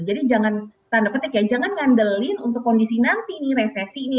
jadi jangan tanda petik ya jangan ngandelin untuk kondisi nanti ini resesi ini